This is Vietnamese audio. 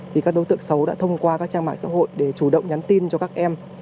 thì các đối tượng xấu đã thông qua các trang mạng xã hội để chủ động nhắn tin cho các em